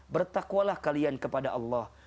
bertakwalah kalian kepada allah